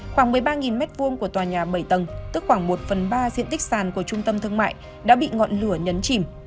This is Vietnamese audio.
khoảng một mươi ba m hai của tòa nhà bảy tầng tức khoảng một phần ba diện tích sàn của trung tâm thương mại đã bị ngọn lửa nhấn chìm